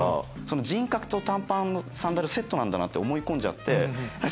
「人格と短パンサンダルセットなんだな」って思い込んじゃってそ